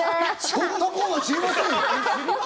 そんなコーナー、知りません